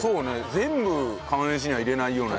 全部釜飯には入れないような。